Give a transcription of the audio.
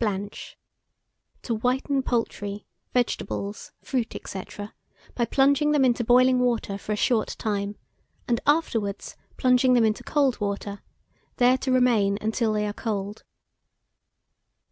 BLANCH. To whiten poultry, vegetables, fruit, &c., by plunging them into boiling water for a short time, and afterwards plunging them into cold water, there to remain until they are cold.